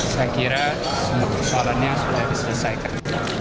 saya kira semua persoalannya sudah diselesaikan